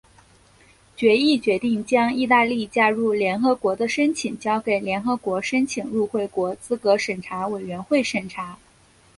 决议决定将意大利加入联合国的申请交给联合国申请入会国资格审查委员会审查。